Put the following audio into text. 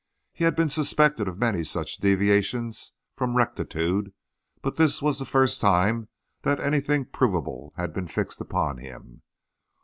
He had been suspected of many such deviations from rectitude, but this was the first time that anything provable had been fixed upon him.